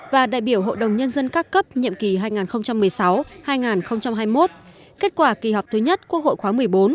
và đại biểu hội đồng nhân dân các cấp nhiệm kỳ hai nghìn một mươi sáu hai nghìn hai mươi một kết quả kỳ họp thứ nhất quốc hội khóa một mươi bốn